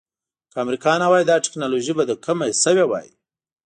که امریکا نه وای دا ټکنالوجي به له کومه شوې وای.